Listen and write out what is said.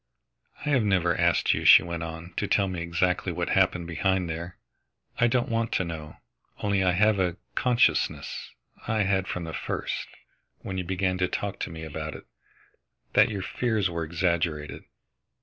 "I have never asked you," she went on, "to tell me exactly what happened behind there. I don't want to know. Only I have a consciousness I had from the first, when you began to talk to me about it that your fears were exaggerated.